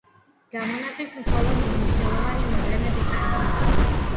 გამონაკლისს მხოლოდ მნიშვნელოვანი მოვლენები წარმოადგენდა.